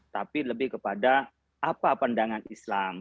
tapi lebih kepada apa pandangan islam